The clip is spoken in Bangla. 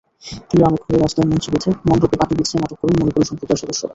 গ্রামে ঘুরে, রাস্তায় মঞ্চ বেঁধে, মণ্ডপে পাটি বিছিয়ে নাটক করেন মণিপুরি সম্প্রদায়ের সদস্যরা।